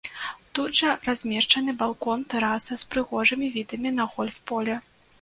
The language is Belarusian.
Тут жа размешчаны балкон-тэраса з прыгожымі відамі на гольф-поле.